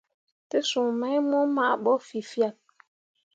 Te suu mai mo maa ɓo fẽefyak.